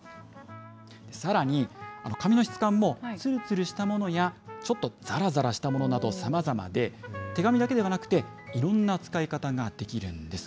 さらに、紙の質感もつるつるしたものや、ちょっとざらざらしたものなど、さまざまで、手紙だけではなくて、いろんな使い方ができるんです。